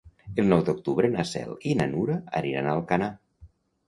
El nou d'octubre na Cel i na Nura aniran a Alcanar.